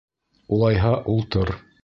Улайһа, ултыр.